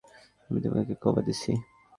আমি তোমাকে কভার দিচ্ছি।